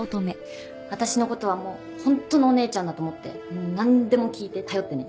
私のことはホントのお姉ちゃんだと思って何でも聞いて頼ってね。